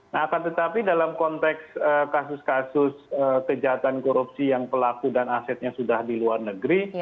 nah akan tetapi dalam konteks kasus kasus kejahatan korupsi yang pelaku dan asetnya sudah di luar negeri